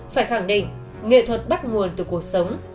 phải khẳng định nghệ thuật bắt nguồn từ cuộc sống